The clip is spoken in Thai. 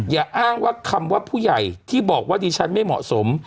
อย่าอ้างว่าคำว่าผู้ใหญ่ที่บอกว่าดิฉันไม่เหมาะสม